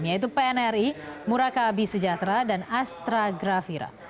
yaitu pnri muraka bisejatera dan astra grafira